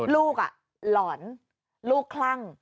ลูกอ่ะหลอนลูกคลั่ง